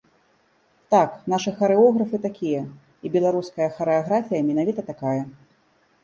Так, нашы харэографы такія, і беларуская харэаграфія менавіта такая.